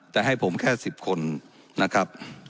แต่ให้ผมแค่๑๐คนนะครับ